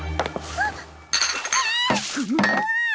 あっ！